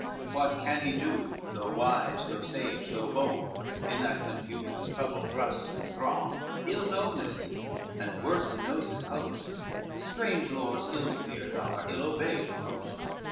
What can he do, though wise, though sage, though bold, In that confusion, trouble, thrust and throng? Ill known he is, and worse he knows his host, Strange lords ill feared are, ill obeyed of most.